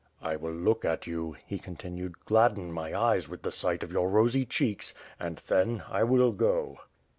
"I will look at you;'^ he continued, "gladden my eyes with the sight of your rosy cheeks, and, then, I will go."